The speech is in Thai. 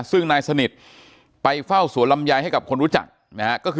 ซึ่งนายสนิทไปเฝ้าสวนลำไยให้กับคนรู้จัก